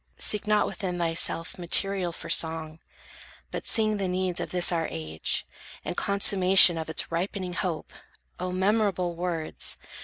Seek not within thyself material For song; but sing the needs of this our age, And consummation of its ripening hope!" O memorable words!